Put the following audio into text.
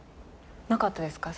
なかったですか？